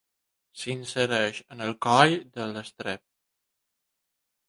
S'insereix en el coll de l'estrep.